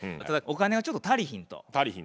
ただお金がちょっと足りひんと。